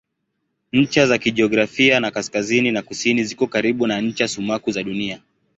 Ncha za kijiografia za kaskazini na kusini ziko karibu na ncha sumaku za Dunia.